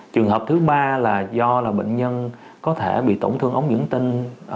trường hợp thứ ba là do bệnh nhân có thể bị tổn thương ống dẫn tinh